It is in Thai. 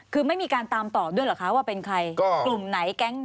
คือไม่มีการตามต่อด้วยเหรอคะว่าเป็นใครกลุ่มไหนแก๊ง